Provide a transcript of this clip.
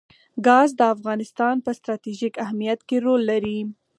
ګاز د افغانستان په ستراتیژیک اهمیت کې رول لري.